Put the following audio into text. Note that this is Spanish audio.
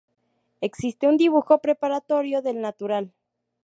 Existe un dibujo preparatorio del natural.